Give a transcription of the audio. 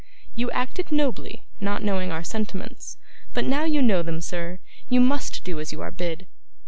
You acted nobly, not knowing our sentiments, but now you know them, sir, you must do as you are bid.